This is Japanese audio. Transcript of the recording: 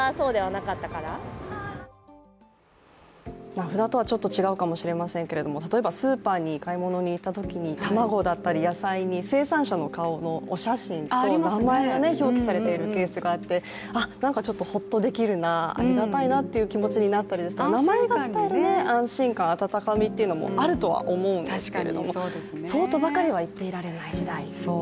名札とはちょっと違うかもしれませんけども例えばスーパーに買い物に行ったときに卵だったり野菜に生産者の顔のお写真と名前が表記されているケースがあってあっ、なんかちょっとほっとできるなありがたいなという気持ちになれたりとか名前が伝える安心感、温かみというのもあるとは思いますけれども、そうとばかりは言っていられない時代。